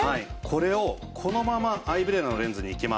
これをこのままアイブレラのレンズにいきます。